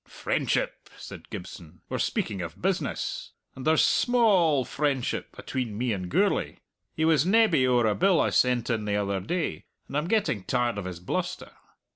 "Friendship!" said Gibson. "We're speaking of business. And there's sma all friendship atween me and Gourlay. He was nebby owre a bill I sent in the other day; and I'm getting tired of his bluster.